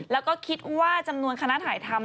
แล้วก็คิดว่าจำนวนคณะถ่ายทำ